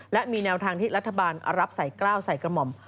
และมีแนวทางที่รัฐบาลรับใส่กล้าวใส่กระหม่อม